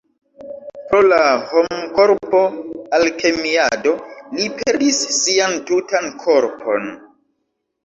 Pro la homkorpo-alkemiado, li perdis sian tutan korpon.